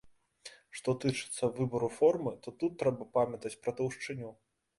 Што тычыцца выбару формы, то тут трэба памятаць пра таўшчыню.